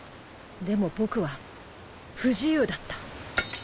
でも僕は不自由だった。